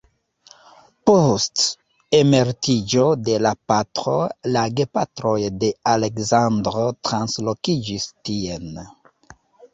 Post emeritiĝo de la patro, la gepatroj de Aleksandr translokiĝis tien.